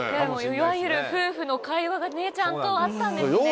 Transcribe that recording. いわゆる夫婦の会話がねちゃんとあったんですね。